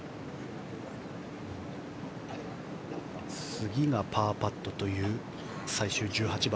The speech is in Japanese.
次がパーパットという最終１８番。